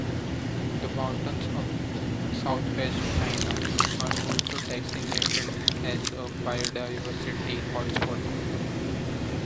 The mountains of southwest China are also designated as a biodiversity hotspot.